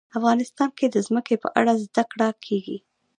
افغانستان کې د ځمکه په اړه زده کړه کېږي.